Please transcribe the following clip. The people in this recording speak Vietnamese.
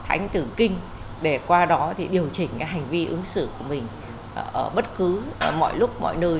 ánh tử kinh để qua đó điều chỉnh hành vi ứng xử của mình ở bất cứ mọi lúc mọi nơi